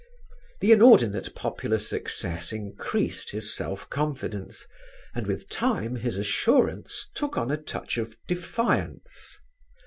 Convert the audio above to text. The inordinate popular success increased his self confidence, and with time his assurance took on a touch of defiance.